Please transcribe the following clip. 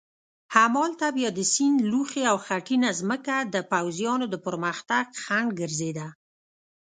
همالته بیا د سیند لوخې او خټینه مځکه د پوځیانو د پرمختګ خنډ ګرځېده.